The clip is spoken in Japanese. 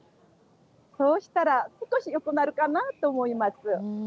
そうしたら、少しよくなるかなと思います。